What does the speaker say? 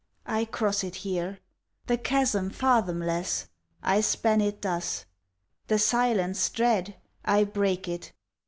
I cross it here. The chasm fathomless? I span it thus. The silence dread? I break it.